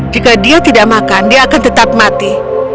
jika dia tidak makan dia akan tetap mati